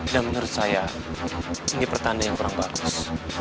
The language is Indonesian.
dan menurut saya ini pertanda yang kurang bagus